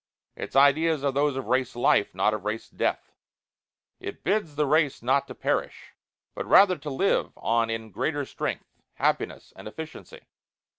Its ideas are those of Race Life, not of Race Death. It bids the race not to perish, but rather to live on in greater strength, happiness, and efficiency.